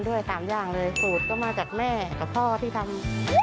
ด้วยสามอย่างเลยสูตรก็มาจากแม่กับพ่อที่ทำ